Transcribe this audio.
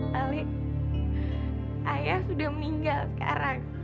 ali ayah sudah meninggal sekarang